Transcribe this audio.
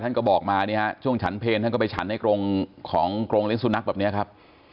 ก็บอกมาเนี่ยฮะช่วงฉันเพลท่านก็ไปฉันในกรงของกรงเลี้ยสุนัขแบบนี้ครับ